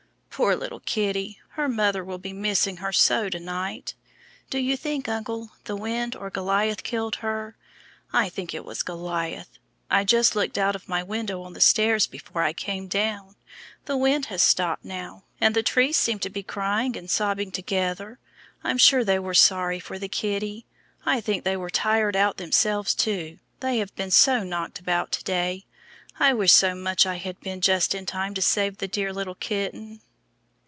Poor little kitty, her mother will be missing her so to night! Do you think, uncle, the wind or Goliath killed her? I think it was Goliath. I just looked out of my window on the stairs before I came down. The wind has stopped now, and the trees seemed to be crying and sobbing together. I'm sure they were sorry for kitty. I think they were tired out themselves, too, they have been so knocked about to day. I wish so much I had been just in time to save the dear little kitten."